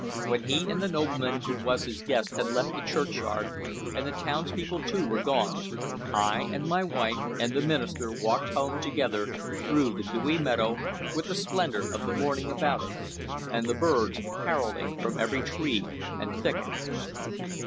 When he and the nobleman who was his guest had left the churchyard, and the townspeople too were gone, I and my wife and the minister walked home together through the dewy meadow, with the splendor of the morning about us, and the birds caroling from every tree and thicket.